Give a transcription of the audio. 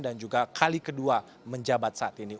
dan juga kali kedua menjabat saat ini